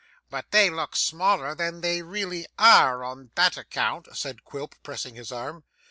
'But they look smaller than they really are, on that account,' said Quilp, pressing his arm.